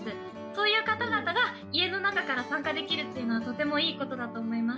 そういう方々が家の中から参加できるっていうのはとてもいいことだと思います。